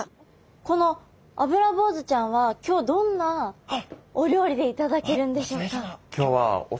このアブラボウズちゃんは今日どんなお料理で頂けるんでしょうか？